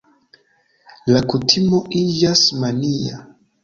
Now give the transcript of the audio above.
La kutimo iĝas mania.